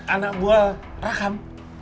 anak buah raham